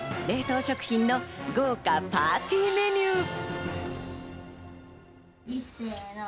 冷凍食品の豪華パーティーメニュー。